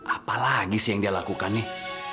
apa lagi sih yang dia lakukan nih